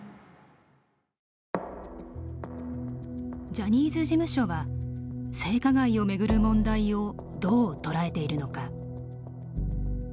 ジャニーズ事務所は、性加害を巡る問題をどう捉えているのか。